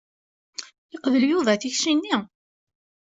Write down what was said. Yeqbel Yuba tikci-nni.